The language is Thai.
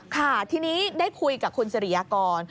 ค่ะทีนี้ได้คุยกับคุณสิริยากร